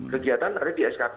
kegiatan dari dskb